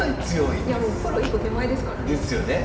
いやもうプロ一歩手前ですからね。ですよね。